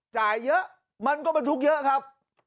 จ่ายเยอะมันก็บรรทุกเยอะครับ